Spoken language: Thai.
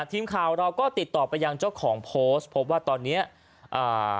ทีมข่าวเราก็ติดต่อไปยังเจ้าของโพสต์พบว่าตอนเนี้ยอ่า